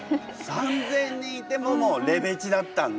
３，０００人いてももうレベチだったんだ。